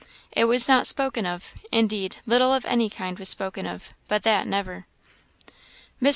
It was not spoken of; indeed, little of any kind was spoken of, but that never. Mrs.